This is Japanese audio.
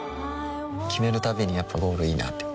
決めるたびにやっぱゴールいいなってふん